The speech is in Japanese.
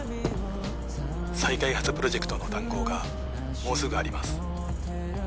再開発プロジェクトの談合がもうすぐあります。